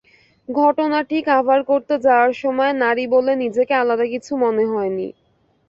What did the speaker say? ঘটনাটি কাভার করতে যাওয়ার সময় নারী বলে নিজেকে আলাদা কিছু মনে হয়নি।